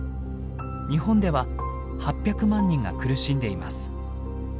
日本では８００万人が苦しんでいます。